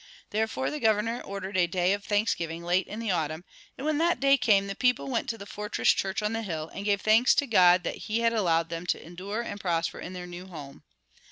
Therefore the Governor ordered a day of thanksgiving late in the autumn, and when that day came the people went to the fortress church on the hill and gave thanks to God that He had allowed them to endure and prosper in their new home.